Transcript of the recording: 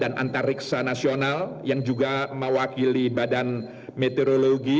para riksa nasional yang juga mewakili badan meteorologi